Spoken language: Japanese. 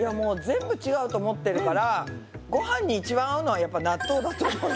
全部違うと思ってるからごはんに一番合うのはやっぱ納豆だと思う。